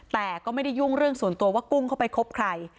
แต่ก็ไม่ได้ยุ่งเรื่องส่วนตัวว่ากุ้งเข้าไปคบใคร